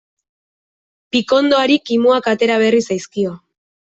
Pikondoari kimuak atera berri zaizkio.